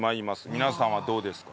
皆さんはどうですか？